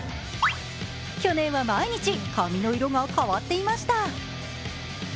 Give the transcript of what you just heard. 去年は毎日、髪の色が変わっていました。